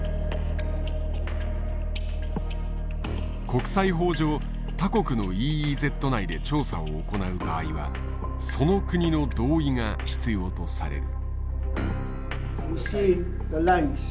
国際法上他国のＥＥＺ内で調査を行う場合はその国の同意が必要とされる。